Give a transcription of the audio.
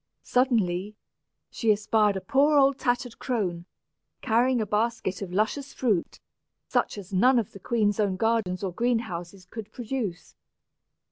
Suddenly, she espied a poor old tattered crone, carrying a basket of luscious fruit, such as none of the queen's own gardens or green houses could produce.